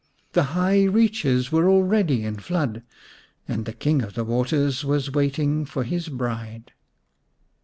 The high reaches were already in flood, and the King of the Waters was waiting for his bride.